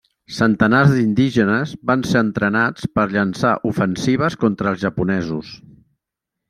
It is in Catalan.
Centenars d'indígenes van ser entrenats per llançar ofensives contra els japonesos.